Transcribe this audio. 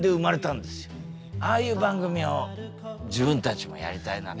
ああいう番組を自分たちもやりたいなって。